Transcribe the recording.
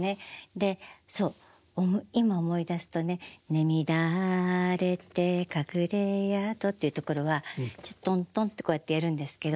でそう今思い出すとね寝乱れて隠れ宿っていうところはトントンってこうやってやるんですけど。